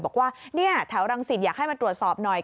บอกว่าเนี่ยแถวรังสิตอยากให้มาตรวจสอบหน่อย